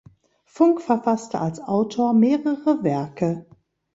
Funk verfasste als Autor mehrere Werke.